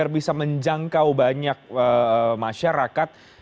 bisa menjangkau banyak masyarakat